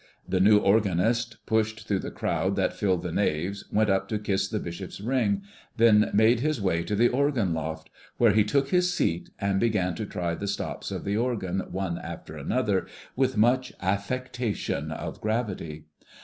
The new organist pushed through the crowd that filled the naves, went up to kiss the bishop's ring, then made his way to the organ loft, where he took his seat, and began to try the stops of the organ one after another with much affectation of gravity.